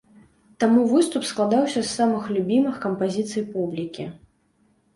Таму выступ складаўся з самых любімых кампазіцый публікі.